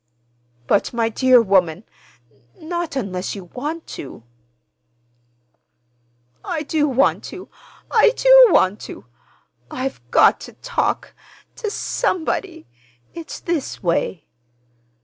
"But, my dear woman,—not unless you want to." "I do want to—I do want to! I've got to talk—to somebody. It's this way."